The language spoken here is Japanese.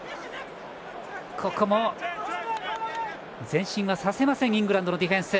前進させませんイングランドのディフェンス。